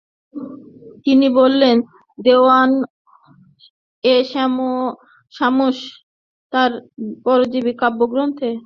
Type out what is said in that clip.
তিনি করেছেন “দেওয়ান-এ শামস-এ তাবরিজী” কাব্যগ্রন্থে।